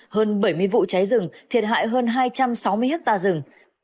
hơn bảy mươi vụ cháy rừng thiệt hại hơn hai trăm sáu mươi hectare rừng